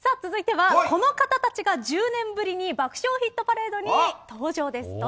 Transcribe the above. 続いてはこの方たちが１０年ぶりに「爆笑ヒットパレード」に登場です。